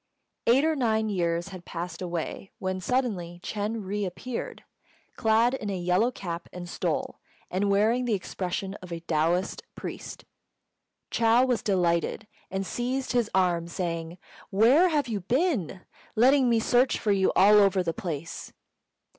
Eight or nine years had passed away when suddenly Ch'êng re appeared, clad in a yellow cap and stole, and wearing the expression of a Taoist priest. Chou was delighted, and seized his arm, saying, "Where have you been? letting me search for you all over the place."